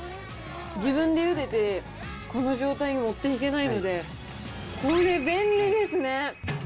自分でゆでて、この状態にもっていけないので、これ、便利ですね。